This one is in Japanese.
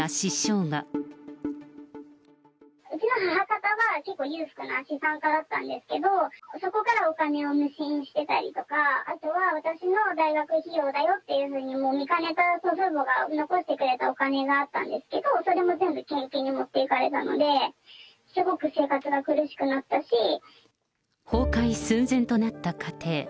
うちの母方は結構裕福な資産家だったんですけど、そこからお金を無心してたりとか、あとは私の大学費用だよって、見かねた祖父母が残してくれたお金があったんですけど、それも全部献金に持ってかれたので、崩壊寸前となった家庭。